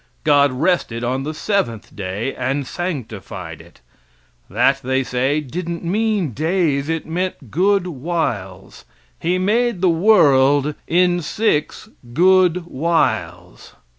God rested on the seventh day, and sanctified it. That, they say, didn't mean days; it meant good whiles. He made the world in six good whiles.